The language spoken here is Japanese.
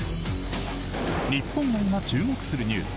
日本が今、注目するニュース